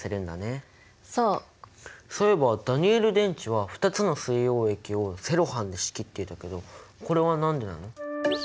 そういえばダニエル電池は２つの水溶液をセロハンで仕切っていたけどこれは何でなの？